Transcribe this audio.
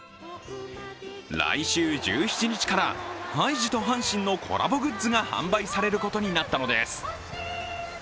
来週１７日からハイジと阪神のコラボグッズが販売されることになったのです。